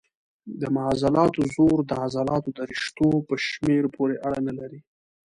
د عضلاتو زور د عضلاتو د رشتو په شمېر پورې اړه نه لري.